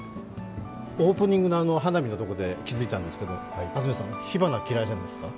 オープニングの花火のところで気付いたんですけど、安住さん、火花嫌いなんですか？